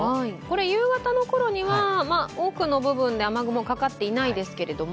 夕方のころには多くの部分で雨雲、かかってないですけれども。